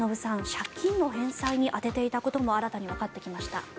借金の返済に充てていたことも新たにわかってきました。